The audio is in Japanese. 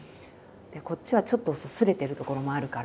こっちはちょっとすれてるところもあるから。